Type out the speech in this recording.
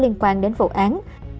liên quan đến vụ án